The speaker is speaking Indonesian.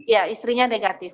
ya istrinya negatif